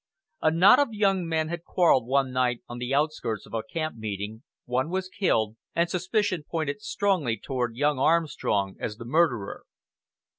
A knot of young men had quarreled one night on the outskirts of a camp meeting, one was killed, and suspicion pointed strongly toward young Armstrong as the murderer.